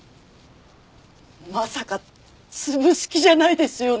まさか潰す気じゃないですよね？